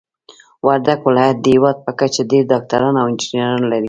وردګ ولايت د هيواد په کچه ډير ډاکټران او انجنيران لري.